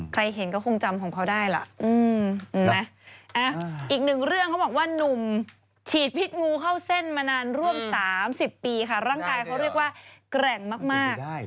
ใครเห็นก็คงจำของเขาได้ล่ะอีกหนึ่งเรื่องเขาบอกว่านุ่มฉีดพิษงูเข้าเส้นมานานร่วม๓๐ปีค่ะร่างกายเขาเรียกว่าแกร่งมาก